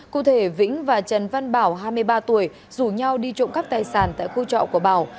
cụ thể vĩnh và trần văn bảo hai mươi ba tuổi rủ nhau đi trộm cắp tài sản tại khu trọ của bảo